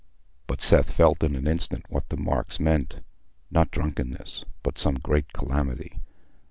But Seth felt in an instant what the marks meant—not drunkenness, but some great calamity.